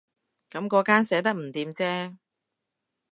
噉嗰間寫得唔掂啫